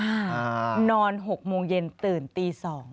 นอน๖โมงเย็นตื่นตี๒